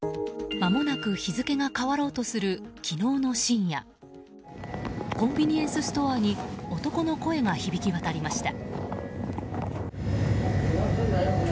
まもなく日付が変わろうとする昨日の深夜コンビニエンスストアに男の声が響き渡りました。